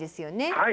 はい。